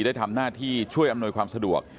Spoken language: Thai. ได้ทำหน้าที่ช่วยอำนวยความสะดวก